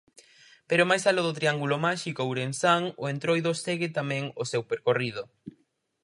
Pero máis aló do triángulo máxico ourensán o Entroido segue tamén o seu percorrido.